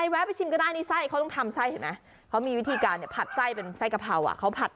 ๔๐บาทก็มีขายนะคะ